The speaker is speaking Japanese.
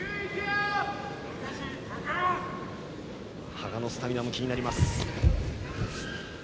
羽賀のスタミナも気になります。